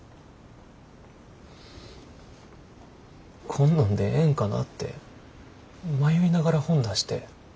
こんなんでええんかなって迷いながら本出して。